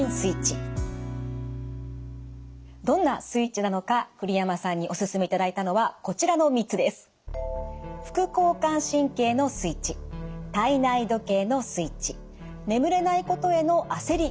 どんなスイッチなのか栗山さんにおすすめいただいたのはこちらの３つです。